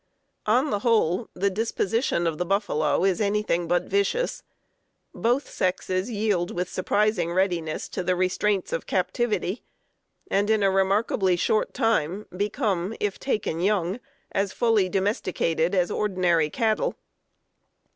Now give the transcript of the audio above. On the whole, the disposition of the buffalo is anything but vicious. Both sexes yield with surprising readiness to the restraints of captivity, and in a remarkably short time become, if taken young, as fully domesticated as ordinary cattle.